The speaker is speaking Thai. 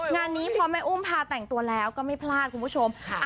งานนี้พอแม่อุ้มพาแต่งตัวแล้วก็ไม่พลาดคุณผู้ชมค่ะ